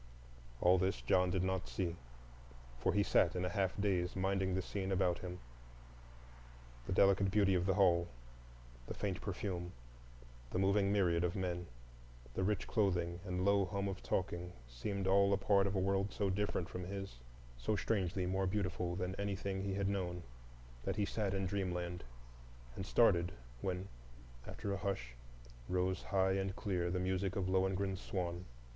All this John did not see, for he sat in a half daze minding the scene about him; the delicate beauty of the hall, the faint perfume, the moving myriad of men, the rich clothing and low hum of talking seemed all a part of a world so different from his, so strangely more beautiful than anything he had known, that he sat in dreamland, and started when, after a hush, rose high and clear the music of Lohengrin's swan.